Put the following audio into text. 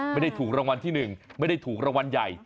ไม่ได้ถูกรางวัลที่๑ไม่ได้ถูกรางวัลใหญ่